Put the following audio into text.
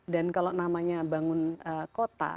dan kalau namanya bangun kota